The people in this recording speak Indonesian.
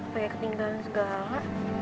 pake ketinggalan segala